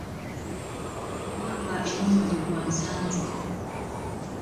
Omwaka eno nno gye gwansanze.